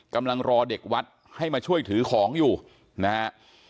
กำลังรอเด็กวัดให้มาช่วยถือของอยู่นะฮะ